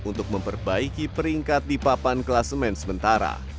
untuk memperbaiki peringkat di papan kelas men sementara